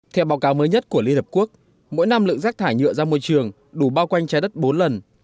theo báo cáo mới nhất của liên hợp quốc mỗi năm lượng rác thải nhựa ra môi trường đủ bao quanh trái đất bốn lần